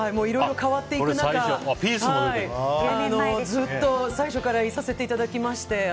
いろいろ変わっていく中ずっと最初からいさせていただきまして。